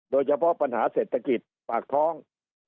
โดยเฉพาะปัญหาเศรษฐกิจปากท้อง